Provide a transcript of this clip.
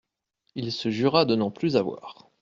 Il se jura de n'en plus avoir.